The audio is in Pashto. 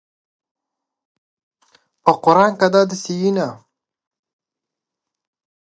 ادبي غونډې د نوي فکر د زیږون ځای دی.